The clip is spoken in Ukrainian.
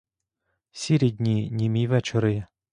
Сірі дні, німі вечори.